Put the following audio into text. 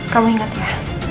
kamu ingat ya